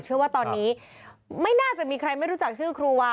เชื่อว่าตอนนี้ไม่น่าจะมีใครไม่รู้จักชื่อครูวา